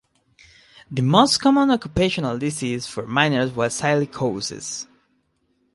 The most common occupational disease for miners was silicosis.